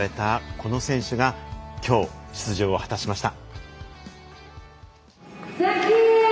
この選手がきょう出場を果たしました。